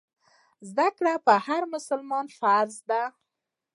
زده کړه پر هر مسلمان فرض دی.